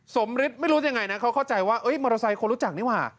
ฤทธิ์ไม่รู้ยังไงนะเขาเข้าใจว่ามอเตอร์ไซค์คนรู้จักนี่ว่า